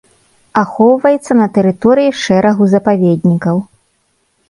Ахоўваецца на тэрыторыі шэрагу запаведнікаў.